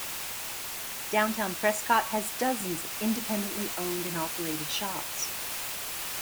Downtown Prescott has dozens of independently owned and operated shops.